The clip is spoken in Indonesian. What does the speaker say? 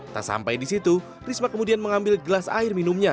tak sampai di situ risma kemudian mengambil gelas air minumnya